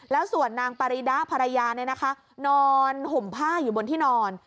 แล้วส่วนนางปริดะภรรยานอนห่มผ้าอยู่บนที่นอน